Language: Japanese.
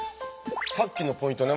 さっきのポイントね。